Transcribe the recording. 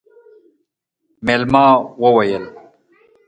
مېلمه وويل: